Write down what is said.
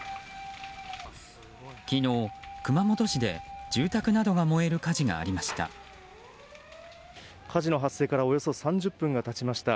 昨日、熊本市で住宅などが燃える火事がありました。